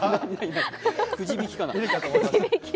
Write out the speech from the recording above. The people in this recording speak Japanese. くじ引きかな？